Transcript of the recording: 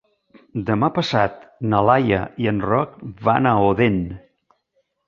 Demà passat na Laia i en Roc van a Odèn.